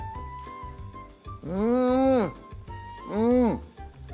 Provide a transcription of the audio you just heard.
うんうん！